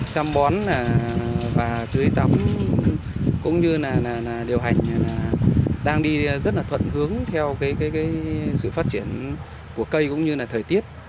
chăm bón và tưới tắm cũng như là điều hành đang đi rất là thuận hướng theo sự phát triển của cây cũng như là thời tiết